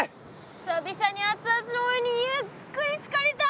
久々に熱々のお湯にゆっくりつかりたい！